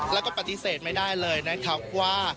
แล้วก็ปฏิเสธไม่ได้เลยนะครับว่า